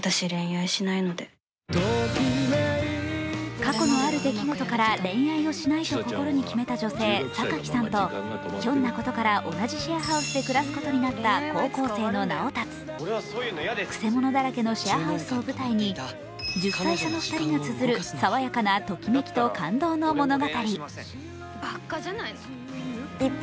過去のある出来事から恋愛をしないと心に決めた女性榊さんとひょんなことから同じシェアハウスで暮らすことになった高校生の直達、くせ者だらけのシェアハウスを舞台に、１０歳差の２人がつづる爽やかなときめきと感動の物語。